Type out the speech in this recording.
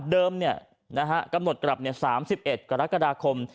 เดิมกำหนดกลับ๓๑กรกฎาคม